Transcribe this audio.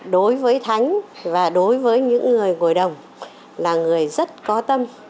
đối với thánh và đối với những người ngồi đồng là người rất có tâm